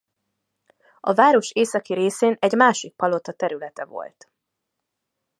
A város északi részén egy másik palota területe volt.